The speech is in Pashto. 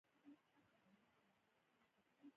نړۍ موږ افغانانو ته په سپک نظر ګوري.